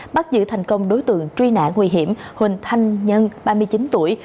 bắt giữ thành công đối tượng truy nã nguy hiểm huỳnh thanh nhân ba mươi chín tuổi